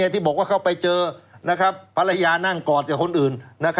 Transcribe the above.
ที่บอกว่าเข้าไปเจอภรรยานั่งกอดกับคนอื่น